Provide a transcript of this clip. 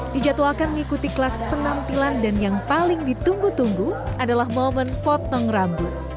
dijadwalkan mengikuti kelas penampilan dan yang paling ditunggu tunggu adalah momen potong rambut